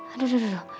aduh aduh aduh